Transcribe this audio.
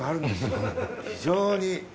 非常に。